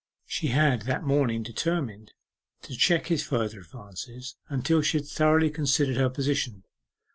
She had that morning determined to check his further advances, until she had thoroughly considered her position.